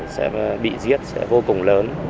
sẽ bị giết vô cùng lớn